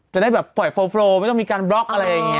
จะได้สไลไม่ต้องมีการบล็อกอะไรอย่างนี้